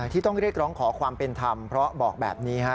ที่ต้องเรียกร้องขอความเป็นธรรมเพราะบอกแบบนี้ฮะ